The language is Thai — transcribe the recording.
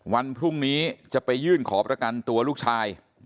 วันพรุ่งนี้จะไปยื่นขอประกันตัวลูกชาย